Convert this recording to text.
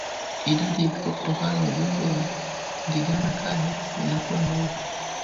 Idadi ya vifo kutokana na ugonjwa wa ndigana kali inakuwa ndogo